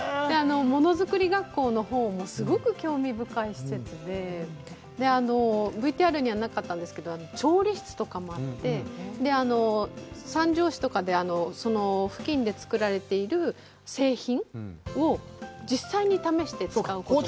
ものづくり学校のほうも、すごく興味深い施設で、ＶＴＲにはなかったんですけど、調理室とかもあって、三条市のその付近でつくられている製品を実際に試して使うことができて。